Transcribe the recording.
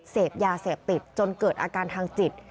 เสพยาเสพติดจนเกิดอาการทางจิต